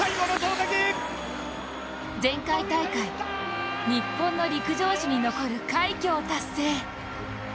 前回大会、日本の陸上史に残る快挙を達成。